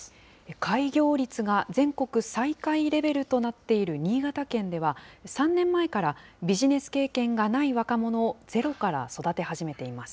開業率が全国最下位レベルとなっている新潟県では、３年前から、ビジネス経験がない若者をゼロから育て始めています。